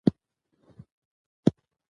خدایا ماته بښنه وکړه